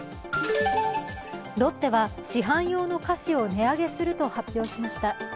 ロッテは、市販用の菓子を値上げすると発表しました。